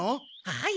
はい。